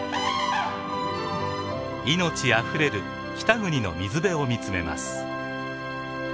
命あふれる北国の水辺を見つめます。